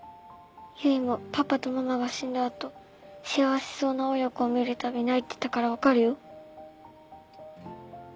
唯もパパとママが死んだ後幸せそうな親子を見るたび泣いてたから分かるよ。